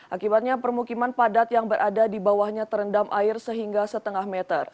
akibatnya permukiman padat yang berada di bawahnya terendam air sehingga setengah meter